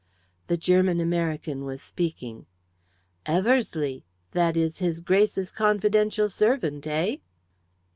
The German American was speaking. "Eversleigh? that is His Grace's confidential servant eh?"